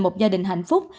một gia đình hạnh phúc